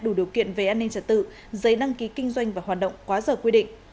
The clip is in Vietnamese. đủ điều kiện về an ninh trật tự giấy đăng ký kinh doanh và hoạt động quá giờ quy định